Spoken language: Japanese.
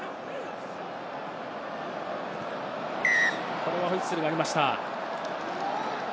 これはホイッスルがありました。